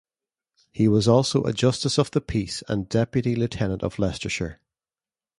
He was also a Justice of the Peace and Deputy Lieutenant of Leicestershire.